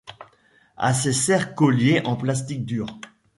à ces serrecolliers en plastique dur.